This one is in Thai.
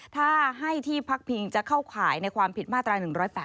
ถ้าให้ที่พักพิงจะเข้าข่ายในความผิดมาตรา๑๘